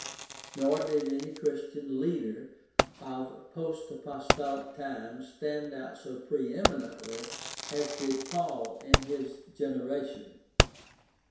Nor did any Christian leader of post apostolic times stand out so pre eminently as did Paul in his generation.